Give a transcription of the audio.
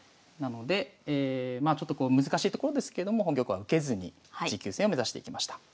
なのでちょっと難しいところですけれども本局は受けずに持久戦を目指していきました。